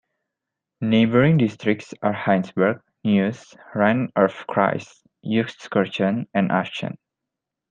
Neighboring districts are Heinsberg, Neuss, Rhein-Erft-Kreis, Euskirchen and Aachen.